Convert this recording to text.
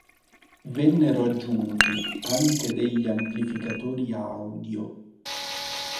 Vennero aggiunti anche degli amplificatori audio.